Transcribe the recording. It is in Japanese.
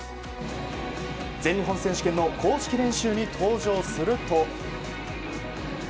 全日本選手権の公式練習に登場すると。